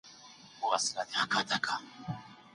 د حمل څخه په قطعي ډول بنديدل.